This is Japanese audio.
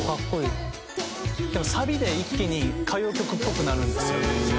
「でもサビで一気に歌謡曲っぽくなるんですよね」